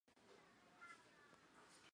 边地兔儿风为菊科兔儿风属的植物。